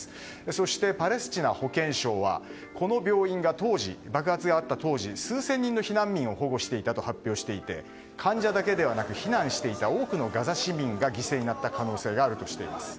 そしてパレスチナ保健相は爆発があった当時、数千人の避難民を保護していたと発表していて患者だけではなくて避難していた多くのガザ市民が犠牲になった可能性があるとしています。